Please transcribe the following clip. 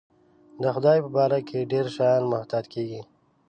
د خدای په باره کې ډېر زیات محتاط کېږي.